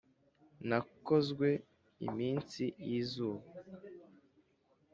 nakozwe iminsi y'izuba.